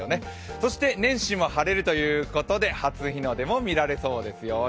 そして年始も晴れるということで初日の出も見られそうですよ。